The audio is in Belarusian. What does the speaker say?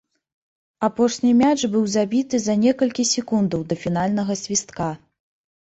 Апошні мяч быў забіты за некалькі секундаў да фінальнага свістка.